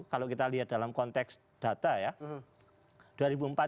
kalau kita lihat dalam konteks data ya